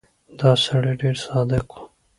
دا سړی ډېر صادق و.